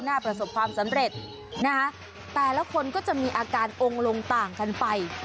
น่าประสบความสำเร็จตลาดละคนก็จะมีอาการองลงต่างกันไป